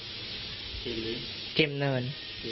เนินจีมเนิน